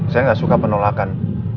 saya gak suka penolakan